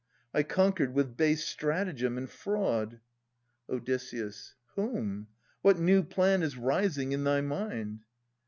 I conquered with base stratagem and fraud Od. Whom ? What new plan is rising in thy mind